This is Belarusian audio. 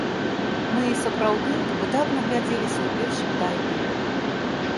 Мы і сапраўды выдатна глядзеліся ў першым тайме.